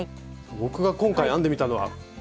僕が今回編んでみたのはこれです！